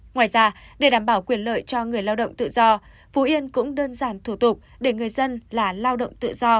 ngoài ra để đảm bảo quyền lợi cho người lao động tự do phú yên cũng đơn giản thủ tục để người dân là lao động tự do